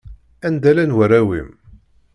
Anda llan warraw-im?